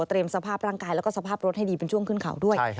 สภาพร่างกายแล้วก็สภาพรถให้ดีเป็นช่วงขึ้นเขาด้วย